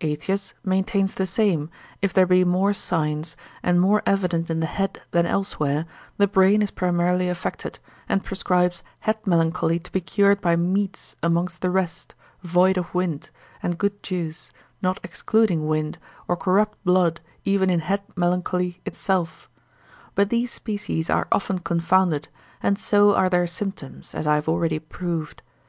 Aetius tetrab. l. 2, sc. 2, c. 9 and 10, maintains the same, if there be more signs, and more evident in the head than elsewhere, the brain is primarily affected, and prescribes head melancholy to be cured by meats amongst the rest, void of wind, and good juice, not excluding wind, or corrupt blood, even in head melancholy itself: but these species are often confounded, and so are their symptoms, as I have already proved.